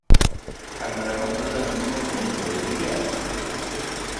Tḥemmlem aqellal n Tmurt n yeqbayliyen?